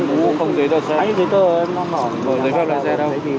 mũ không dưới đo xe